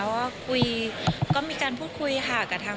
ว่าคุยก็มีการพูดคุยค่ะ